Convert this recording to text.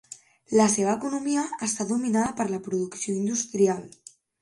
La seva economia està dominada per la producció industrial.